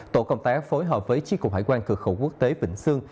tổ công tác phối hợp với chí cục hải quan cửa khẩu quốc tế bình xương